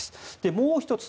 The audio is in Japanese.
もう１つ